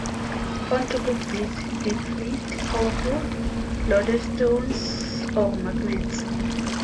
On top of these, they placed powerful lodestones, or magnets.